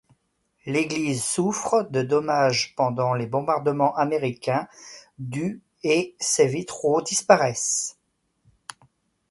L'église souffre de dommages pendant les bombardements américains du et ses vitraux disparaissent.